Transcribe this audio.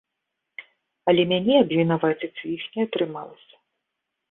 Але мяне абвінаваціць у іх не атрымалася.